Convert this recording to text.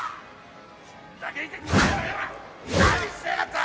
こんだけいててめえら何してやがった！